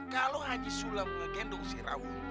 kalau haji sulam ngegendong si raun